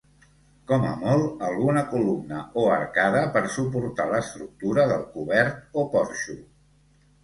Com a molt alguna columna o arcada per suportar l'estructura del cobert o porxo.